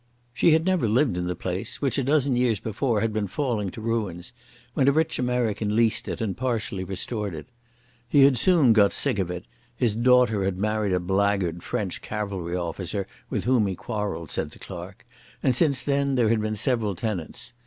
She had never lived in the place, which a dozen years before had been falling to ruins, when a rich American leased it and partially restored it. He had soon got sick of it—his daughter had married a blackguard French cavalry officer with whom he quarrelled, said the clerk—and since then there had been several tenants.